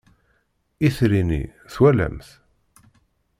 Itri-nni twalam-t?